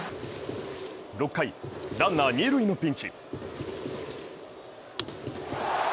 ６回、ランナー二塁のピンチ。